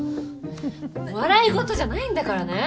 笑い事じゃないんだからね。